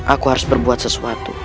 aku harus berbuat sesuatu